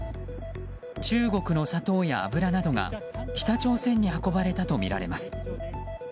中国の砂糖や油などが北朝鮮に運ばれたとみられます。